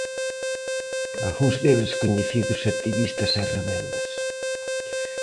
Algúns deles coñecidos activistas e rebeldes.